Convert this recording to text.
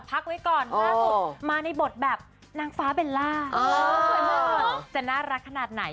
พักไว้ก่อนล่าสุดมาในบทแบบนางฟ้าเบลล่าสวยมากจะน่ารักขนาดไหน